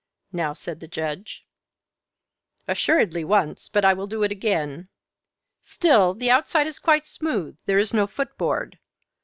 now said the Judge. "Assuredly, once, but I will do it again. Still, the outside is quite smooth, there is no foot board.